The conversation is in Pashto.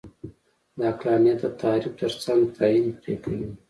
د عقلانیت د تعریف ترڅنګ تعین پرې کوي.